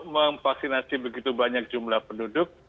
memvaksinasi begitu banyak jumlah penduduk